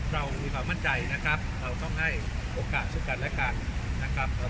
เรามีความมั่นใจต้องให้โอกาสด้วยกัน